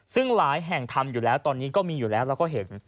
ซึ่งหลายแห่งทำอยู่แล้วตอนนี้ก็มีอยู่แล้วแล้วก็เห็น